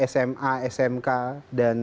sma smk dan